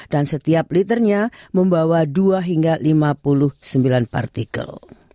dan setiap liternya membawa dua hingga lima puluh sembilan partikel